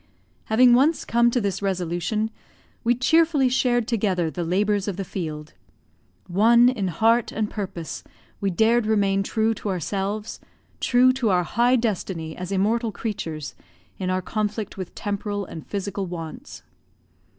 Having once come to this resolution, we cheerfully shared together the labours of the field. One in heart and purpose, we dared remain true to ourselves, true to our high destiny as immortal creatures, in our conflict with temporal and physical wants.